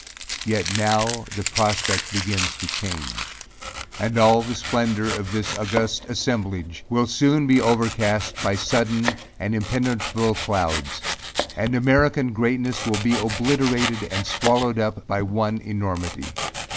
Yet now the prospect begins to change; and all the splendor of this august assemblage, will soon be overcast by sudden and impenetrable clouds; and American greatness be obliterated and swallowed up by one enormity.